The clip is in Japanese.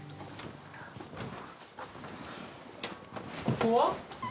ここは？